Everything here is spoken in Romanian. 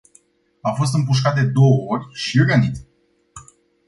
A fost împușcat de două ori și rănit.